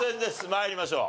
参りましょう。